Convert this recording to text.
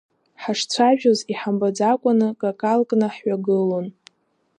Ҳашцәажәоз, иҳамбаӡакәаны какал кны ҳҩагылон!